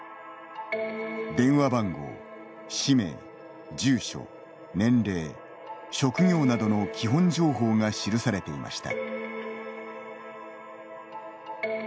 電話番号、氏名、住所、年齢職業などの基本情報が記されていました。